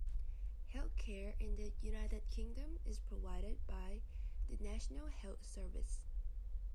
Healthcare in the United Kingdom is provided by the National Health Service